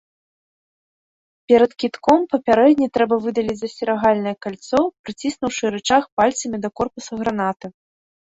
Перад кідком папярэдне трэба выдаліць засцерагальнае кальцо, прыціснуўшы рычаг пальцамі да корпуса гранаты.